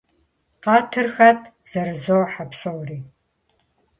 - Къэтыр хэт?! – зэрызохьэ псори.